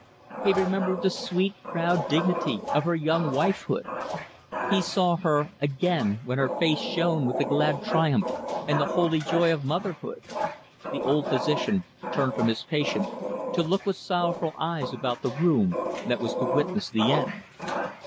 He remembered the sweet, proud dignity of her young wifehood. He saw her, again, when her face shone with the glad triumph and the holy joy of motherhood. The old physician turned from his patient, to look with sorrowful eyes about the room that was to witness the end.